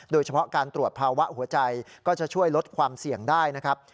โดยเฉพาะการตรวจภาวะหัวใจก็จะช่วยลดความเสี่ยงได้นะครับ